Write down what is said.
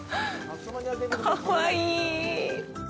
かわいい。